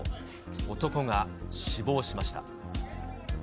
男が死亡しました。